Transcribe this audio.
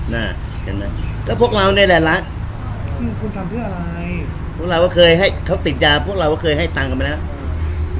แล้วพวกเราเนี่ยแหละละพวกเราเคยให้เขาติดยาพวกเราเคยให้ตังค์กันไปแล้ว